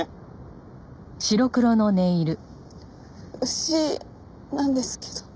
牛なんですけど。